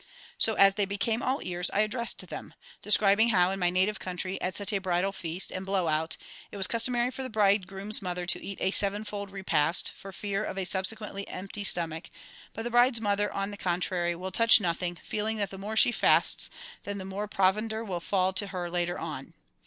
So as they became all ears, I addressed them, describing how, in my native country, at such a bridal feast and blow out, it was customary for the bridegroom's mother to eat a sevenfold repast, for fear of a subsequently empty stomach; but the bride's mother, on the contrary, will touch nothing, feeling that the more she fasts then, the more provender will fall to her later on.